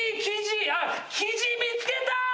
あっキジ見つけた！